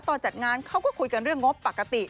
จัดงานเขาก็คุยกันเรื่องงบปกติ